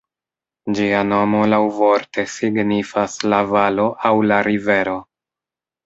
Ĝia nomo laŭvorte signifas "la valo" aŭ "la rivero".